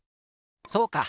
そうか！